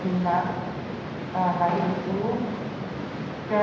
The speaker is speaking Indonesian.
saya ingin mengucapkan sesuatu